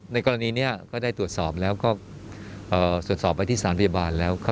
ในกรณีนี้ก็ได้ตรวจสอบแล้วก็ตรวจสอบไปที่สารพยาบาลแล้ว